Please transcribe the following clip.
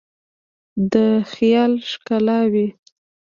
د خیال ښکالو